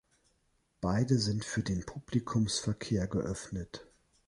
Beide sind für den Publikumsverkehr geöffnet.